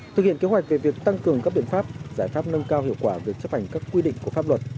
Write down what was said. thực hiện kế hoạch về việc tăng cường các biện pháp giải pháp nâng cao hiệu quả việc chấp hành các quy định của pháp luật